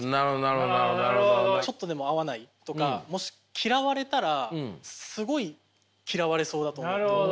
ちょっとでも合わないとかもし嫌われたらすごい嫌われそうだと思うと。